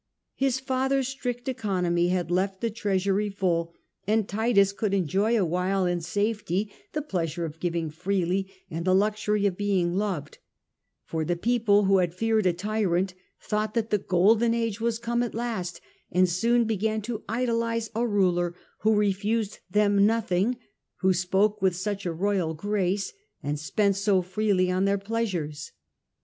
His father^s strict economy had left the treasury full, and Titus could enjoy awhile in safety the pleasure of giving freely and the luxury of being loved, for the people who had feared a tyrant thought that the golden age was come at last, and soon began to idolize a ruler who refused them nothing, who spoke with such a royal grace and spent so freely on their pleasures.